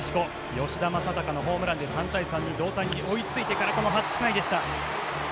吉田正尚のホームランで３対３の同点に追いついてからこの８回でした。